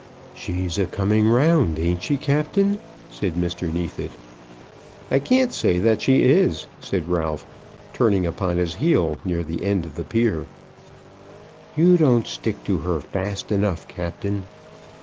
"She's a coming round, ain't she, Captain?" said Mr. Neefit. "I can't say that she is," said Ralph, turning upon his heel near the end of the pier. "You don't stick to her fast enough, Captain."